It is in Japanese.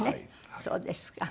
そうですか。